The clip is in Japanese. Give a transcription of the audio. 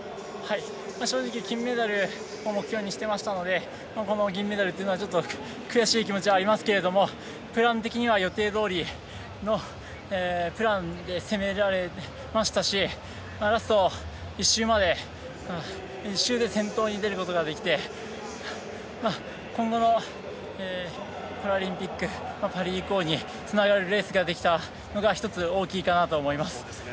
正直、金メダルを目標にしていましたのでこの銀メダルはちょっと悔しい気持ちはありますけれどもプラン的には予定どおりのプランで攻められましたしラスト１周で先頭に出ることができて今後のパラリンピックパリ以降につながるレースができたのが１つ、大きいかなと思います。